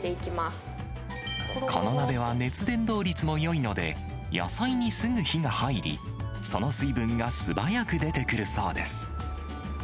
この鍋は、熱伝導率もよいので、野菜にすぐ火が入り、その水分が素早く出てくるそうです。